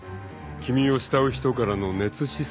君を慕う人からの熱視線？］